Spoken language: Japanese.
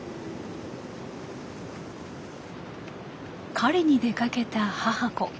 狩りに出かけた母子。